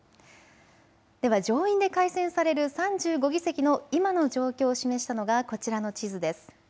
では上院で改選される３５議席の今の状況を示したのがこちらの地図です。